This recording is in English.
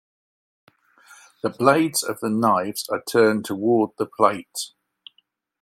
The blades of the knives are turned toward the plate.